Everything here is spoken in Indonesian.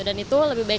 dan itu lebih baik